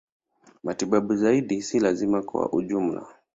Matibabu zaidi si lazima kwa ujumla.